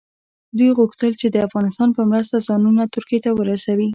دوی غوښتل چې د افغانستان په مرسته ځانونه ترکیې ته ورسوي.